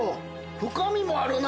深みもあるな！